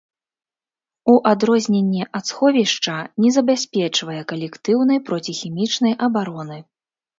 У адрозненне ад сховішча не забяспечвае калектыўнай проціхімічнай абароны.